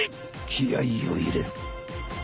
気合いを入れる。